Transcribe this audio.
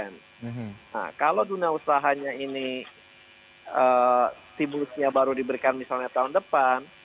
nah kalau dunia usahanya ini stimulusnya baru diberikan misalnya tahun depan